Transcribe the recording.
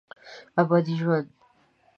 ابدي ژوندي